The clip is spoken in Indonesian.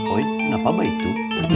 oi kenapa itu